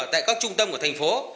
tại các trung tâm của thành phố